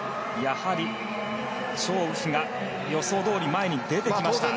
やはりチョウ・ウヒが予想どおり前に出てきました。